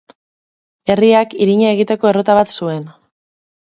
Herriak irina egiteko errota bat zuen.